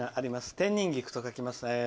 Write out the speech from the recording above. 天人菊と書きます。